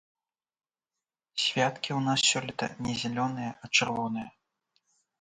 Святкі ў нас сёлета не зялёныя, а чырвоныя.